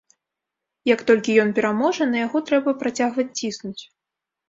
Як толькі ён пераможа, на яго трэба працягваць ціснуць.